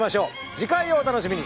次回をお楽しみに。